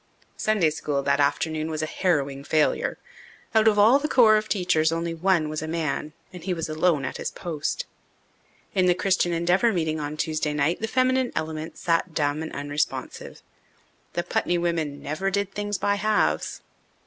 Sunday School that afternoon was a harrowing failure. Out of all the corps of teachers only one was a man, and he alone was at his post. In the Christian Endeavour meeting on Tuesday night the feminine element sat dumb and unresponsive. The Putney women never did things by halves.